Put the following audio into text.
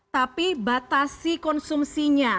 tapi batasi konsumsinya